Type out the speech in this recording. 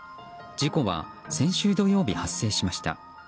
事故は先週土曜日、発生しました。